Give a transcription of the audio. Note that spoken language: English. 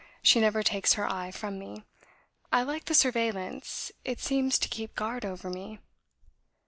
She never takes her eye from me. I like the surveillance; it seems to keep guard over me."